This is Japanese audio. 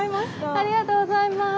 ありがとうございます。